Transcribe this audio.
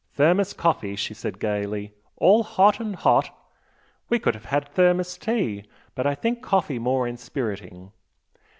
"Thermos coffee!" she said, gaily "All hot and hot! We could have had Thermos tea, but I think coffee more inspiriting.